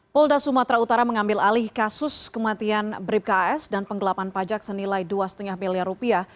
polda sumatera utara mengambil alih kasus kematian bribka as dan penggelapan pajak senilai dua lima miliar rupiah